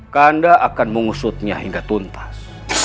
kanda akan mengusutnya hingga tuntas